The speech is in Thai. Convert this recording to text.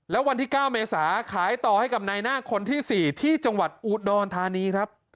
แล้ววันที่๙เมษาขายต่อให้กับนายหน้าคนที่๔ที่จังหวัดอุดรธานีครับ